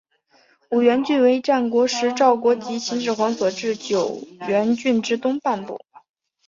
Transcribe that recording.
五原郡为战国时赵国及秦始皇所置九原郡之东半部。